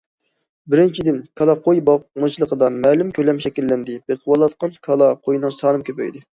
بىرىنچىدىن، كالا، قوي باقمىچىلىقىدا مەلۇم كۆلەم شەكىللەندى، بېقىلىۋاتقان كالا، قوينىڭ سانىمۇ كۆپەيدى.